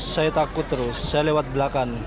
saya takut terus saya lewat belakang